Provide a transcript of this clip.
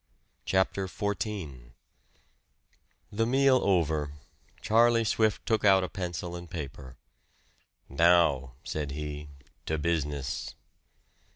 CHAPTER XIV The meal over, Charlie Swift took out a pencil and paper. "Now," said he. "To business!"